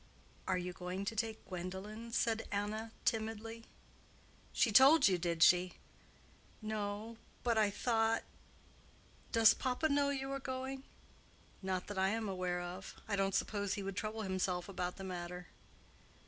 "Are you going to take Gwendolen?" said Anna, timidly. "She told you, did she?" "No, but I thought—Does papa know you are going?" "Not that I am aware of. I don't suppose he would trouble himself about the matter."